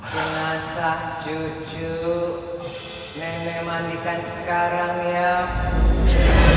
jenasah jujur nenek mandikan sekarang